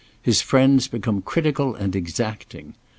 His friends become critical and exacting.